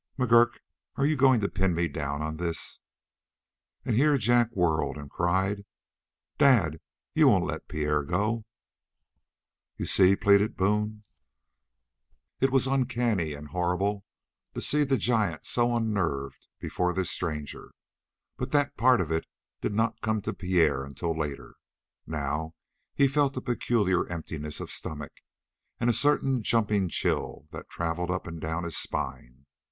"McGurk, are you going to pin me down in this?" And here Jack whirled and cried: "Dad, you won't let Pierre go!" "You see?" pleaded Boone. It was uncanny and horrible to see the giant so unnerved before this stranger, but that part of it did not come to Pierre until later. Now he felt a peculiar emptiness of stomach and a certain jumping chill that traveled up and down his spine.